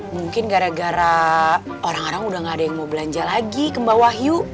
mungkin gara gara orang orang udah gak ada yang mau belanja lagi kembawah yuk